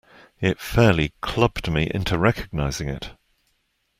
It fairly clubbed me into recognizing it.